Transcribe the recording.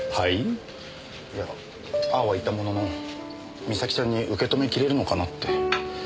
いやああは言ったものの美咲ちゃんに受け止めきれるのかなって。